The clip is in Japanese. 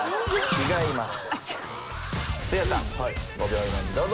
違います。